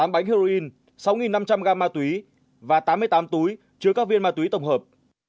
một mươi bánh heroin sáu năm trăm linh gram ma túy và tám mươi tám túi chứa các viên ma túy tổng hợp